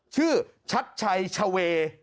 ชื่อชัดชัยชาเว